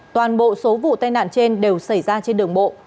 toàn bộ số vụ tai nạn trên đều xảy ra trên đường bộ